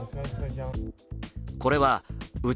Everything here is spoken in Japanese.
これは内